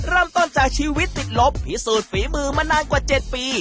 เริ่มต้นจากชีวิตติดลบพิสูจน์ฝีมือมานานกว่า๗ปี